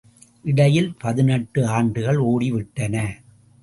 இடையில் பதினெட்டு ஆண்டுகள் ஓடிவிட்டன!